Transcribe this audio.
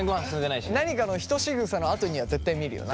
何かのひとしぐさのあとには絶対見るよな。